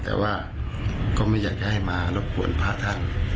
แต่ว่าก็ไม่อยากจะให้มารบกวนพระท่าน